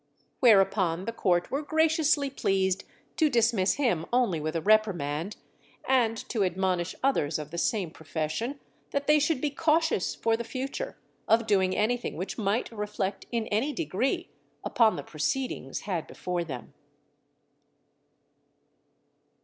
Whereupon the Court were graciously pleased to dismiss him only with a reprimand, and to admonish others of the same profession, that they should be cautious for the future of doing anything which might reflect in any degree upon the proceedings had before them.